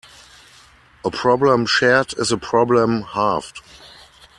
A problem shared is a problem halved.